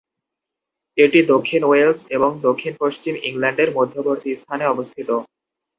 এটি দক্ষিণ ওয়েলস এবং দক্ষিণ-পশ্চিম ইংল্যান্ডের মধ্যবর্তী স্থানে অবস্থিত।